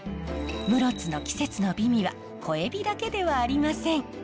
室津の季節の美味は小エビだけではありません。